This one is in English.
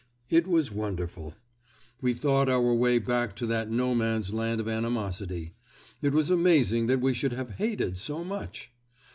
It was wonderful. We thought our way back to that No Man's Land of animosity; it was amazing that we should have hated so much.